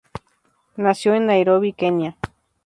Nació en Nairobi, Kenia.